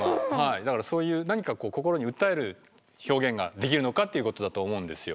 だからそういう何かこう心に訴える表現ができるのかっていうことだと思うんですよ。